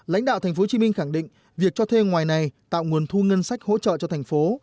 lãnh đạo tp hcm khẳng định việc cho thuê ngoài này tạo nguồn thu ngân sách hỗ trợ cho thành phố